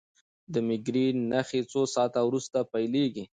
د مېګرین نښې څو ساعته وروسته پیلېږي.